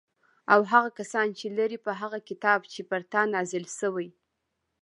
او هغه کسان چې لري په هغه کتاب چې پر تا نازل شوی